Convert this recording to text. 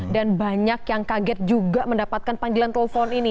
dan banyak yang kaget juga mendapatkan panggilan telpon ini